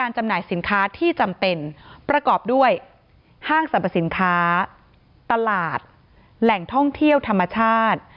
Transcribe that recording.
จำหน่ายสินค้าที่จำเป็นประกอบด้วยห้างสรรพสินค้าตลาดแหล่งท่องเที่ยวธรรมชาติ